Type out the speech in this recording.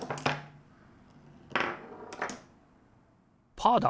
パーだ！